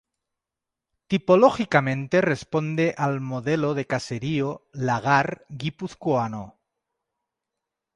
Tipológicamente responde al modelo de caserío lagar guipuzcoano.